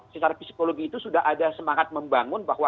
secara psikologi itu sudah ada semangat membangun bahwa